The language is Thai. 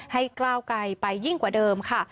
ก้าวไกลไปยิ่งกว่าเดิมค่ะ